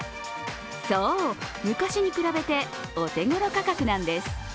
そう、昔に比べてお手頃価格なんです。